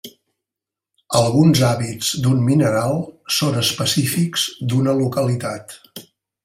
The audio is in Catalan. Alguns hàbits d'un mineral són específics d'una localitat.